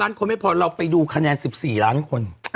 ล้านคนไม่พอเราไปดูคะแนน๑๔ล้านคน